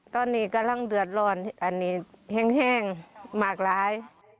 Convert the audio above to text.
ตอนนี้กำลังเดือดร้อนอันนี้แห้งมากร้าย